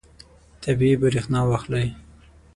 طبیعي برېښنا واخلئ.